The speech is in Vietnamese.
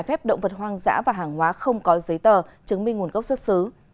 phép động vật hoang dã và hàng hóa không có giấy tờ chứng minh nguồn gốc xuất xứ